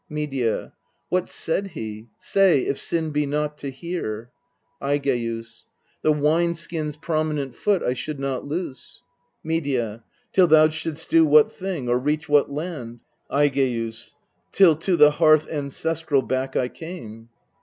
Medea. What said he ? Say, if sin be not to hear. Aigeus. The wine skin's prominent foot I should not loose. Medea. Till thou shouldst do what thing, or reach what land ? Aigeus. Till to the hearth ancestral back I came.